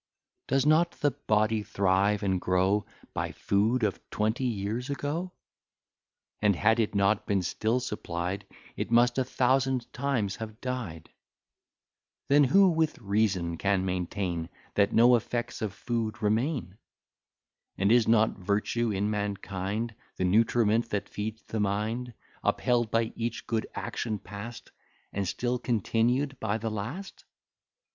Does not the body thrive and grow By food of twenty years ago? And, had it not been still supplied, It must a thousand times have died. Then who with reason can maintain That no effects of food remain? And is not virtue in mankind The nutriment that feeds the mind; Upheld by each good action past, And still continued by the last?